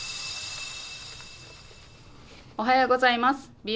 おはようございます。